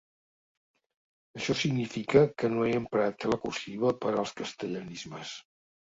Això significa que no he emprat la cursiva per als castellanismes.